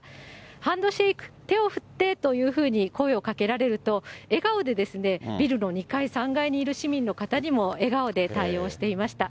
ハンドシェイク、手を振ってというふうに声をかけられると、笑顔でビルの２階、３階にいる市民の方にも笑顔で対応していました。